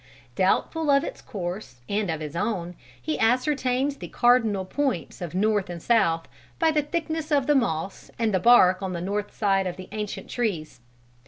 Doubtful of its course and of his own, he ascertains the cardinal points of north and south by the thickness of the moss and bark on the north side of the ancient trees.